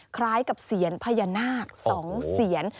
คล้ายกับเสียญพญานาค๒เสียน